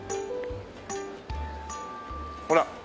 ほら。